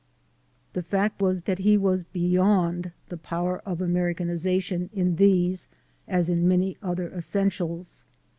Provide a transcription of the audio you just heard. The fact was that he was be yond the power of Americanization in these as in many other essentials.